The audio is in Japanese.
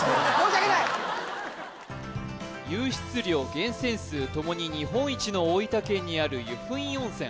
湧出量源泉数ともに日本一の大分県にある由布院温泉